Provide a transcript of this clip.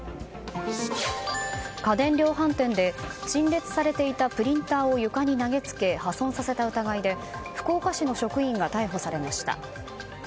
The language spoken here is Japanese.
家電量販店で陳列されていたプリンターを床に投げつけ、破損させた疑いで福岡市の職員が逮捕されました。